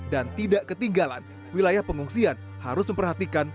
dan tidak ketinggalan wilayah pengungsian harus memperhatikan